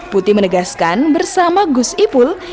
putih menegaskan bersama gus ipul